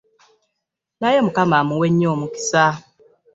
Naye Mukama amuwe nnyo omukisa.